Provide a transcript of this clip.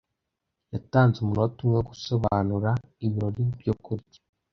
Yatanze umunota umwe wo gusobanura ibirori byo kurya.